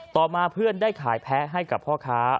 ต่อมาเพื่อนได้ขายแพ้ให้กับพ่อค้า